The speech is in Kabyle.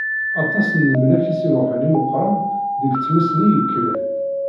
Aṭas n lemlak i s-iruḥen i Meqqran deg tmes-nni yekkren.